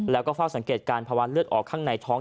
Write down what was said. แล้วก็เฝ้าสังเกตการภาวะเลือดออกข้างในท้อง